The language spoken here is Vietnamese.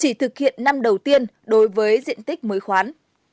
chỉ thực hiện năm đầu tiên đối với diện tích mới khoán